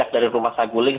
dari rumah sangguling